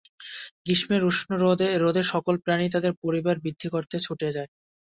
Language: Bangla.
গ্রীষ্মের উষ্ণ রোদে সকল প্রাণীই তাদের পরিবার বৃদ্ধি করতে ছুটে যায়।